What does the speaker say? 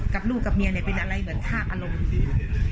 กับลูกกับเมียเนี่ยเป็นอะไรเหมือนถ้าอารมณ์ดี